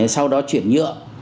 sau đó chuyển nhượng